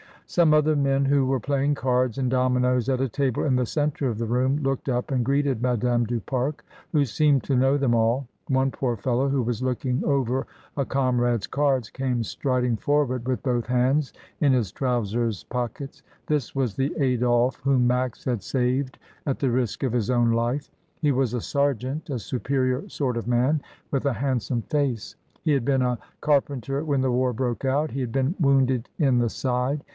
Some other men who were playing cards and dominoes at a table in the centre of the room looked up and greeted Madame du Pare, who seemed to know them all. One poor fellow, who was looking over a comrade's cards, came striding forward with both hands in his trousers pockets. This was the Adolphe whom Max had saved at the risk of his own life. He was a sergeant, a superior sort of man, with a handsome face. He had been a car penter when the war broke out. He had been wounded in the side.